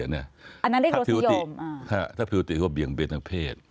อันนั้นเรียกรสินิยมถ้าผิวอุติคือเปลี่ยงเบนทางเพศ